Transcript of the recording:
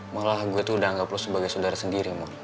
malah gue tuh udah anggap lo sebagai saudara sendiri mo